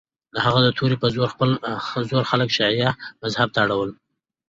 هغه د توري په زور خلک شیعه مذهب ته اړول.